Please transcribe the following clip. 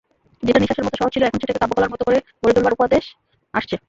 যেটা নিশ্বাসের মতো সহজ ছিল এখন সেটাকে কাব্যকলার মতো করে গড়ে তোলবার উপদেশ আসছে।